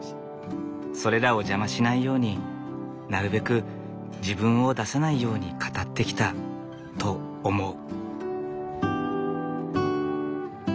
それらを邪魔しないようになるべく自分を出さないように語ってきたと思う。